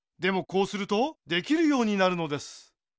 こうするとできるようになるのです。